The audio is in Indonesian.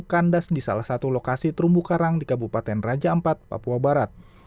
kandas di salah satu lokasi terumbu karang di kabupaten raja ampat papua barat